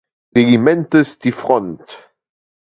Regimentes die Front.